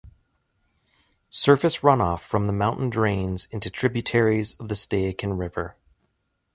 Surface runoff from the mountain drains into tributaries of the Stehekin River.